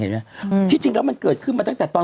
ที่จริงแล้วมันเกิดขึ้นมาตั้งแต่ตอน